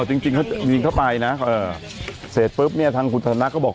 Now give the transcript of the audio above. อ๋อจริงจริงมีเข้าไปนะเออเสร็จปุ๊บเนี้ยทางคุณสันทนะก็บอก